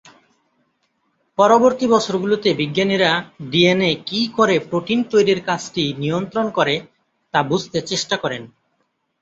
পরবর্তী বছরগুলোতে বিজ্ঞানীরা ডিএনএ কী করে প্রোটিন তৈরির কাজটি নিয়ন্ত্রণ করে তা বুঝতে চেষ্টা করেন।